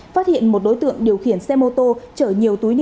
phát hiện một đối tượng điều khiển xe mô tô chở nhiều túi nước